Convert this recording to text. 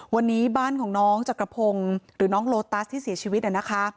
วันนี้บ้านของน้องจักรพงศ์หรือน้องโลตัสที่เสียชีวิตนะคะ